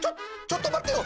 ちょっとまってよ！